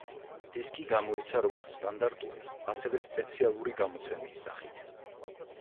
დისკი გამოიცა როგორც სტანდარტული, ასევე სპეციალური გამოცემის სახით.